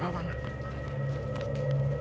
มา